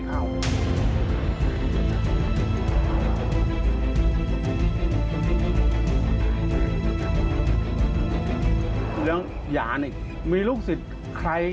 หลวงหย่างมีลูกศีรษใคร